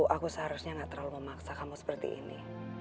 aku seharusnya gak terlalu memaksa kamu seperti ini